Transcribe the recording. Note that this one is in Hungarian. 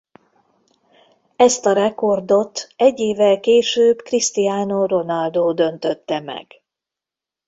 Ezt a rekordot egy évvel később Cristiano Ronaldo döntötte meg.